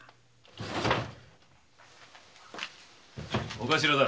お頭だ。